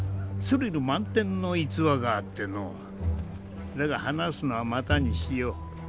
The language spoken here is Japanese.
スリル満点の逸話があってのうだが話すのはまたにしよう